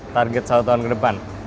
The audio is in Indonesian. target satu tahun ke depan